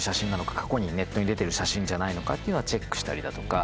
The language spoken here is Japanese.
過去にネットに出てる写真じゃないのかっていうのはチェックしたりだとか。